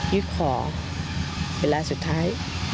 ยึดของเวลาสุดท้าย